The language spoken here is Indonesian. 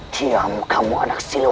diam kamu anak silwangi bodoh